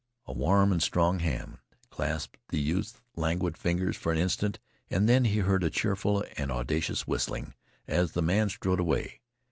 A warm and strong hand clasped the youth's languid fingers for an instant, and then he heard a cheerful and audacious whistling as the man strode away.